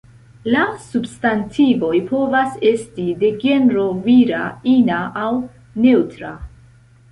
La substantivoj povas esti de genro vira, ina aŭ neŭtra.